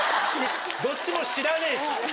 どっちも知らねえしそもそも。